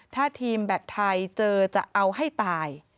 ถ้าทีมแบตไทยเจอจะเอาให้ตาย